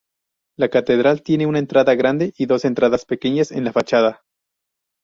La catedral tiene una entrada grande y dos entradas pequeñas en la fachada.